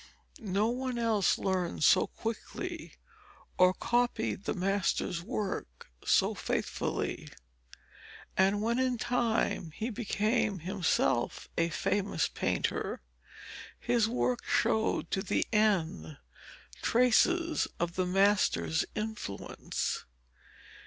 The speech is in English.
No one else learned so quickly or copied the master's work so faithfully, and when in time he became himself a famous painter, his work showed to the end traces of the master's influence.